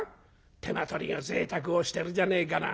手間取りが贅沢をしてるじゃねえかな。